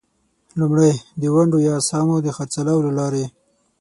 لومړی: د ونډو یا اسهامو د خرڅلاو له لارې.